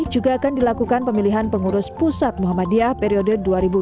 juga akan dilakukan pemilihan pengurus pusat muhammadiyah periode dua ribu dua puluh dua dua ribu dua puluh tujuh